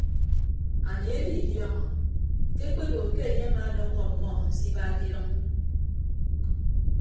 Anie edidiọọñọ ke ekpebo ke enye amaadọkkọ ọmmọ se iba ke idʌñ.